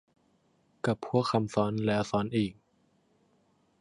กับพวกคำซ้อนแล้วซ้อนอีก